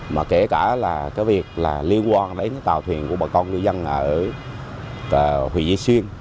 mà kể cả việc liên quan đến tàu thuyền của bà con ngư dân ở huy dê xuyên